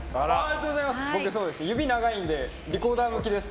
僕、指長いんでリコーダー向きです。